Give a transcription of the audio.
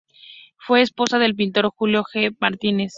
Fue esposa del pintor Julio T. Martínez.